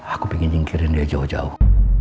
aku pengen jingkirin dia jauh jauh